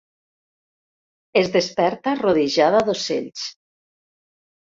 Es desperta rodejada d'ocells.